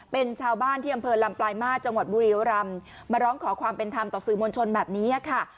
เป็นชาวบ้านที่อำเภอลำปลายมาสจังหวัดบุรียรำมาร้องขอความเป็นธรรมต่อสื่อมวลชนแบบนี้ค่ะ